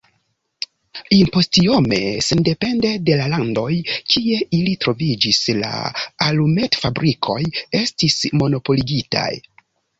Iompostiome, sendepende de la landoj, kie ili troviĝis, la alumetfabrikoj estis monopoligitaj.